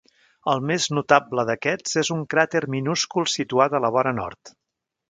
El més notable d'aquests és un cràter minúscul situat a la vora nord.